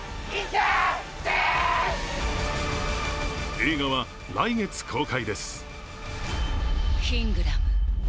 映画は来月公開です。